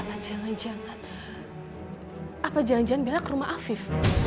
apa jangan jangan bella ke rumah afif